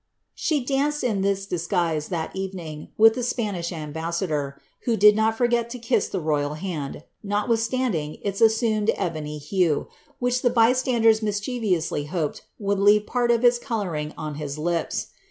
She danced in this disguise, that evening, with the Spanish ambassador, who did not forget to kiss the royal hand, notwithstanding its assumed ebony hue, which the by standers mischievously hoped would leave part of its colouring on his lips.'